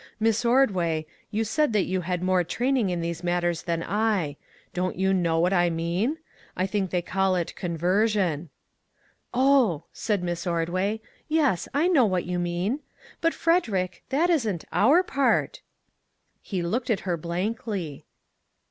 Miss Ordway, you said that you had more training in these matters than I; don't you know what I mean? I think they call it conversion." " Oh," said Miss Ordway, " yes, I know what you mean; but, Frederick, that isn't our part," He looked at her blankly. 286 "WHAT MADE YOU CHANGE?"